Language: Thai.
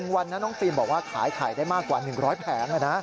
วันนั้นน้องฟิล์มบอกว่าขายไข่ได้มากกว่า๑๐๐แผง